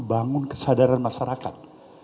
bangun kesadaran masyarakat